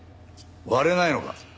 割れないのか？